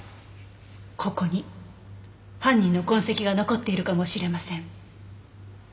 ここに犯人の痕跡が残っているかもしれません。